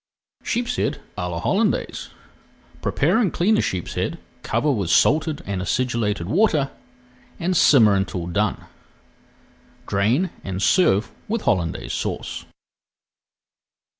[Page 359] SHEEPSHEAD À LA HOLLANDAISE Prepare and clean a sheepshead, cover with salted and acidulated water, and simmer until done. Drain and serve with Hollandaise Sauce.